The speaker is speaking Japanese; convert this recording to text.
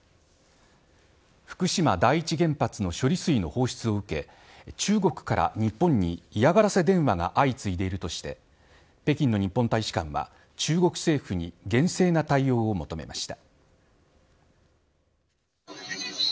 福島第１原発の処理水放出を受け中国から日本に嫌がらせ電話が相次いでいるとして北京の日本大使館は中国政府に厳正な対応を求めました。